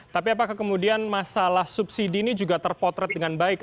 tapi apakah kemudian masalah subsidi ini juga terpotret dengan baik